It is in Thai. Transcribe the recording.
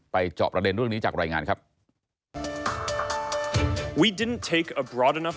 จอบประเด็นเรื่องนี้จากรายงานครับ